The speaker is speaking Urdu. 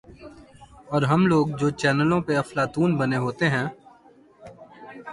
اورہم لوگ جو چینلوں پہ افلاطون بنے ہوتے ہیں۔